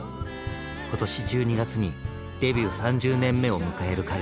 今年１２月にデビュー３０年目を迎える彼ら。